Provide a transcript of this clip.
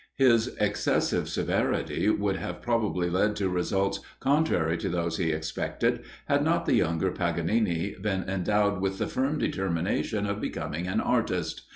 His excessive severity would have probably led to results contrary to those he expected, had not the younger Paganini been endowed with the firm determination of becoming an artist.